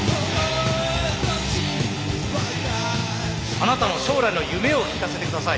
あなたの将来の夢を聞かせてください。